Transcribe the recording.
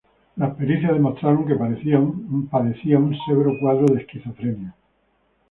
Las pericias demostraron que padecía un severo cuadro de esquizofrenia.